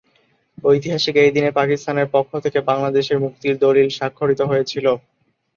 ঐতিহাসিক এই দিনে পাকিস্তানের পক্ষ থেকে বাংলাদেশের মুক্তির দলিল স্বাক্ষরিত হয়েছিল।